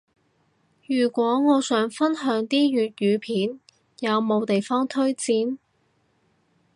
如果我想分享啲粵語片，有冇地方推薦？